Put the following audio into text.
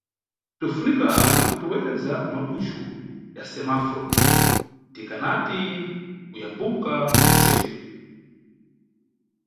Bzinʼfunika kuteweza malujhu ya semaforo tikanati Kuyambuka nʼsewu.